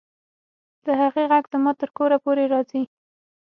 د هغې غږ زما تر کوره پورې راځي